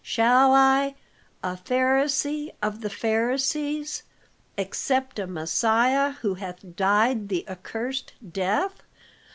Shall I, a Pharisee of the Pharisees, accept a Messiah who hath died the accursed death?